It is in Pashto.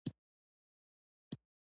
دا د پانګوالي سیسټم د پیدایښت یو اصلي لامل وو